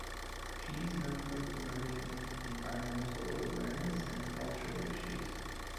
She is known for promoting environmental awareness and cultural issues.